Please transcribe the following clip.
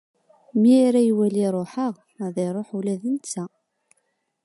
Mi ara iwali ṛuḥeɣ, ad d-iṛuḥ ula d netta.